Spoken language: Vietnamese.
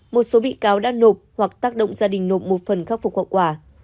một số bị cáo đã nộp hoặc tác động gia đình nộp một phần khắc phục hậu quả